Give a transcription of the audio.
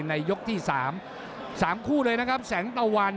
ติดตามยังน้อยกว่า